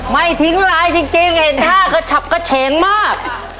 ไม่ทิ้งไลน์จริงเห็นท่ากระฉับกระเฉงมาก